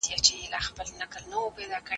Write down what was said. د نفوذ مخنيوی د سياسي ستراتيژۍ برخه ده.